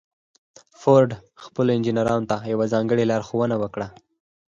فورډ خپلو انجنيرانو ته يوه ځانګړې لارښوونه وکړه.